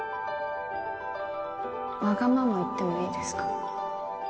わがまま言ってもいいですか？